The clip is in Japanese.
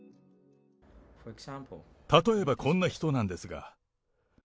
例えばこんな人なんですが。